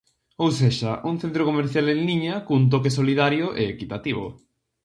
Ou sexa, un centro comercial en liña cun toque solidario e equitativo.